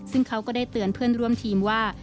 ซึ่งเขาก็ได้เตือนเพื่อนร่วมทีมว่า